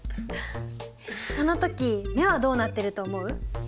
そのとき目はどうなってると思う？